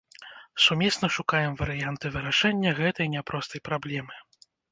Сумесна шукаем варыянты вырашэння гэтай няпростай праблемы.